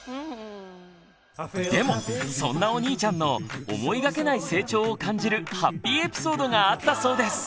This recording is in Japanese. でもそんなお兄ちゃんの「思いがけない成長」を感じるハッピーエピソードがあったそうです。